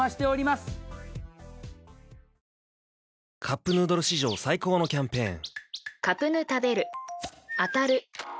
「カップヌードル」史上最高のキャンペーン！